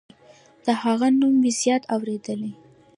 د هغه نوم مې زیات اوریدلی